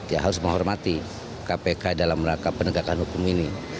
ya harus menghormati kpk dalam rangka penegakan hukum ini